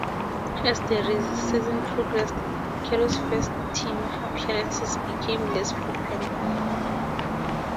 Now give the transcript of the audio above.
As the season progressed, Carew's first team appearances became less frequent.